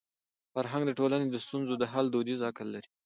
فرهنګ د ټولني د ستونزو د حل دودیز عقل لري.